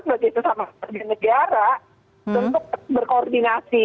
sebagai sesama perjalanan negara untuk berkoordinasi